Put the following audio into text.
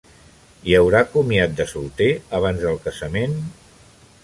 Hi haurà comiat de solter abans del casament?